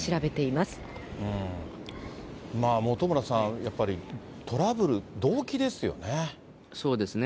まあ、本村さん、やっぱりトラブル、動機ですよね。